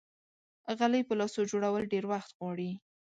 غلۍ په لاسو جوړول ډېر وخت غواړي.